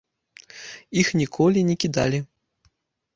Іх ніколі не кідалі.